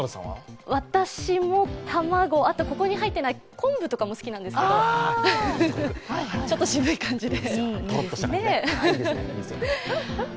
私も卵、あとここに入ってない昆布とかも好きなんですけどちょっと渋い感じで。